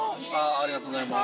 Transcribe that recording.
ありがとうございます。